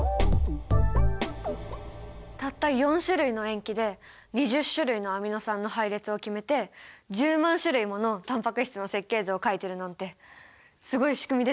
たった４種類の塩基で２０種類のアミノ酸の配列を決めて１０万種類ものタンパク質の設計図を描いてるなんてすごい仕組みですよね。